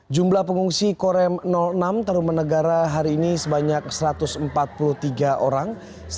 jumlah pengungsi korem enam teruman negara hari ini sebanyak satu ratus empat puluh tiga orang